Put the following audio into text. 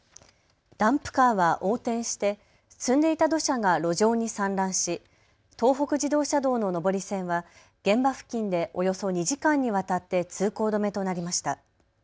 ダンプカーは横転して積んでいた土砂が路上に散乱し東北自動車道の上り線は現場付近でおよそ２時間にわたって通行止めとなりました。